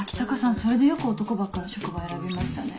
それでよく男ばっかの職場選びましたね。